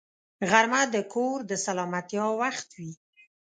غرمه د کور د سلامتیا وخت وي